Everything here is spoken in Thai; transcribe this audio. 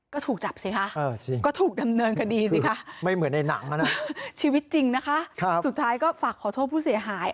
ก็ถูกจับสิคะก็ถูกดำเนินคดีสิคะชีวิตจริงนะคะสุดท้ายก็ฝากขอโทษผู้เสียหาย